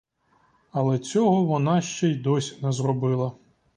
Але цього вона ще й досі не зробила.